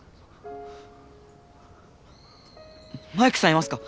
マイクさんいますか？